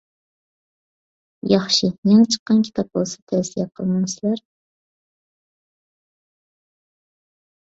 ياخشى، يېڭى چىققان كىتاب بولسا تەۋسىيە قىلمامسىلەر؟